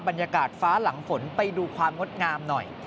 บรรยากาศฟ้าหลังฝนไปดูความงดงามหน่อย